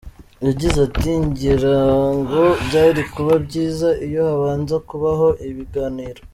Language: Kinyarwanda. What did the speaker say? Yagize ati “Ngira ngo byari kuba byiza iyo habanza kubaho ibiganiro.